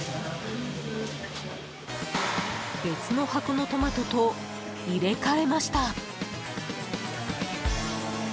別の箱のトマトと入れ替えました。